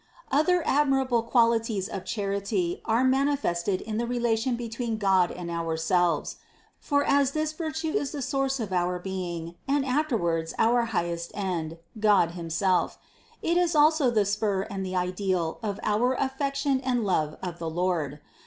518. Other admirable qualities of charity are mani fested in the relation between God and ourselves ; for as this virtue is the source of our being, and afterwards our highest end, God himself, it is also the spur and the ideal of our affection and love of the Lord.